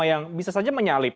atau kemudian langsung menyalip